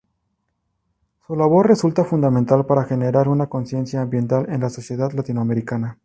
Su labor resulta fundamental para generar una conciencia ambiental en la sociedad latinoamericana.